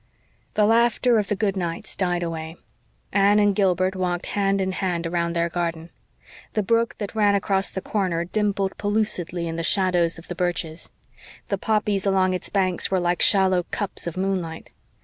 The laughter of the goodnights died away. Anne and Gilbert walked hand in hand around their garden. The brook that ran across the corner dimpled pellucidly in the shadows of the birches. The poppies along its banks were like shallow cups of moonlight.